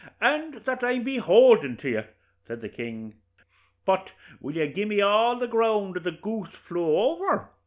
'And that I'm behoulden to you,' says the king. 'But will you gi'e me all the ground the goose flew over?'